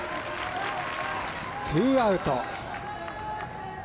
ツーアウト。